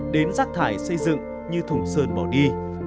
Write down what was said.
đến rác thải xây dựng như thùng sơn bỏ đi